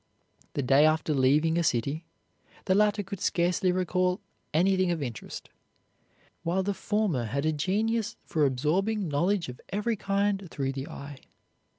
The day after leaving a city, the latter could scarcely recall anything of interest, while the former had a genius for absorbing knowledge of every kind through the eye.